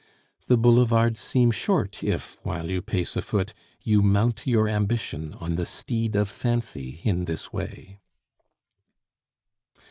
The boulevards seem short if, while you pace afoot, you mount your ambition on the steed of fancy in this way.